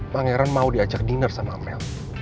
pangeran mau diajak dinner sama apel